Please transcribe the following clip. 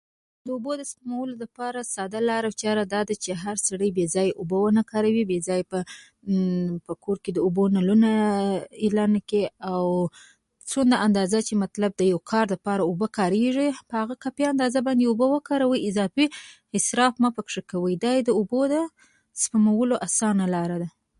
د اوبو د سپمولو لپاره ساده لاره چاره دا ده چې هر سړی بې ځایه اوبه ونه کاروي. بې ځایه په کور کې د اوبو نلونه ایله نه کړي، او څومره اندازه چې د یو کار لپاره اوبه پکارېږي، هغه کافي اندازه باندې اوبه وکاروئ. اضافي اسراف مه پکې کوئ. دا د اوبو سپمولو اسانه لاره ده.